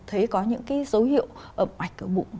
thấy có những dấu hiệu ẩm ạch ở bụng